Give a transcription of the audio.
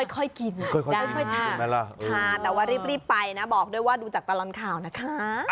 ค่อยกินค่อยทานแต่ว่ารีบไปนะบอกด้วยว่าดูจากตลอดข่าวนะคะ